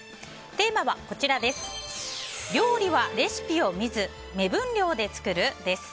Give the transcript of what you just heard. テーマは料理はレシピを見ず目分量で作る？です。